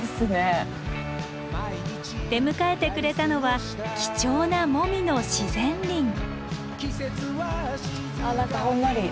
出迎えてくれたのは貴重なモミの自然林。